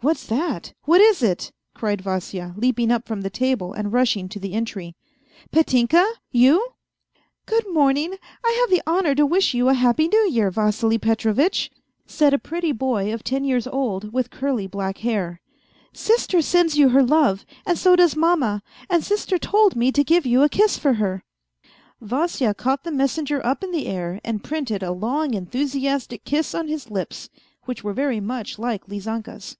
" What's that ? What is it ?" cried Vasya, leaping up from the table and rushing to the entry, " Petinka, you ?"" Good morning, I have the honour to wish you a happy New Year, Vassily Petrovitch," said a pretty boy of ten years old with A FAINT HEART 179 curly black hair. " Sister sends you her love, and so does Mamma, and Sister told me to give you a kiss for her." Vasya caught the messenger up in the air and printed a long, enthusiastic kiss on his lips, which were very much like Lizanka's.